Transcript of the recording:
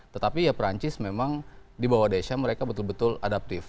tetapi ya perancis memang di bawah desa mereka betul betul adaptif